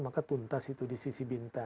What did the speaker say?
maka tuntas itu di sisi bintang